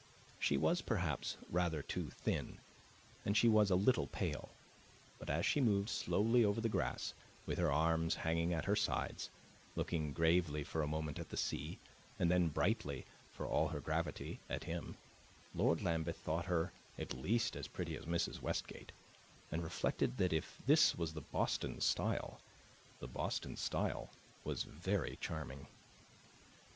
She was perhaps rather too thin, and she was a little pale; but as she moved slowly over the grass, with her arms hanging at her sides, looking gravely for a moment at the sea and then brightly, for all her gravity, at him, Lord Lambeth thought her at least as pretty as Mrs. Westgate, and reflected that if this was the Boston style the Boston style was very charming.